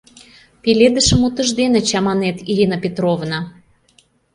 Пеледышым утыждене чаманет, Ирина Петровна.